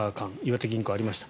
岩手銀行がありました。